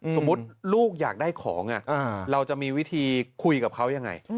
สมมุติลูกอยากได้ของเราจะมีวิธีคุยกับเขายังไง